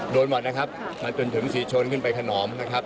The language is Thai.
โดนหมดนะครับมาจนถึงศรีชนขึ้นไปถนอมนะครับ